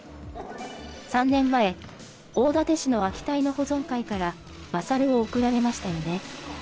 ３年前、大館市の秋田犬保存会から、マサルを贈られましたよね。